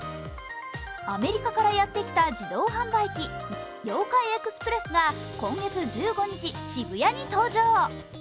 アメリカからやってきた自動販売機、Ｙｏ−ＫａｉＥｘｐｒｅｓｓが今月１５日、渋谷に登場。